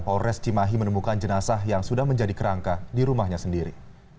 polres cimahi menemukan jenazah yang sudah menjadi kerangka di rumahnya sendiri